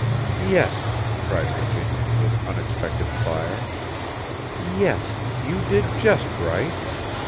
"Yes," cried Virginia, with unexpected fire. "Yes, you did just right!